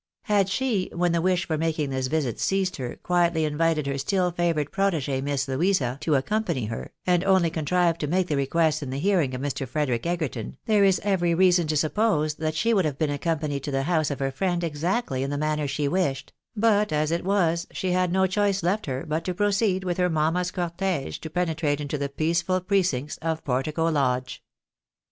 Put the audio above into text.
Had she, when the wish for making this visit seized her, quietly invited her still favoured protegee, Miss Louisa, to accom pany her, and only contrived to make the request in the hearing of Mr. Frederic Egerton, there is every reason to suppose that she would have been accompanied to the house of her friend exactly in the manner she wished ; but as it was, she had uo clioice left her but to proceed with her mamma's cortege to penetrate into the peaceful precincts of Portico Lodge.